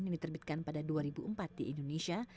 yang diterbitkan pada dua ribu empat di indonesia